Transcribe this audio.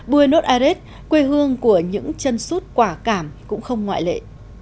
buenos ares quê hương của những chân sút quả cảm cũng không ngoại lệ